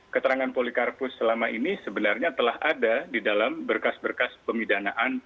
keterangan polikarpus selama ini sebenarnya telah ada di dalam berkas berkas pemidanaan